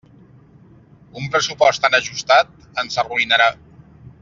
Un pressupost tan ajustat ens arruïnarà.